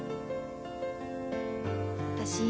私